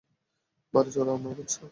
বাড়ি চল, আমার বাচ্চা।